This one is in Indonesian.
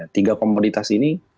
tiga komoditas ini